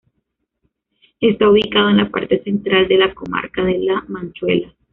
Está ubicado en la parte central de la comarca de La Manchuela.